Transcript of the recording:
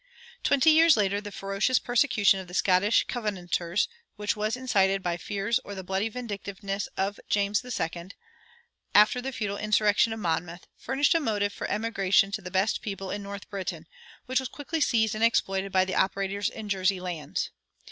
Twenty years later the ferocious persecution of the Scottish Covenanters, which was incited by the fears or the bloody vindictiveness of James II. after the futile insurrection of Monmouth, furnished a motive for emigration to the best people in North Britain, which was quickly seized and exploited by the operators in Jersey lands.